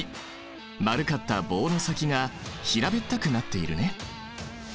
丸かった棒の先が平べったくなっているね。